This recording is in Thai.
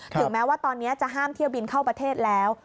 ถึงแม้ว่าตอนนี้จะห้ามเที่ยวบินเข้าประเทศแล้ว